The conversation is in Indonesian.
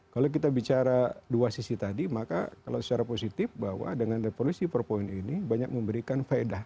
kalau kita bicara dua sisi tadi maka kalau secara positif bahwa dengan revolusi empat ini banyak memberikan faedah